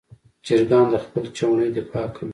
چرګان د خپل چوڼې دفاع کوي.